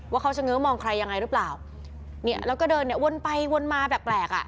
ว่าเขาจะเง้อมองใครยังไงหรือเปล่าเนี่ยแล้วก็เดินเนี่ยวนไปวนมาแปลกแปลกอ่ะ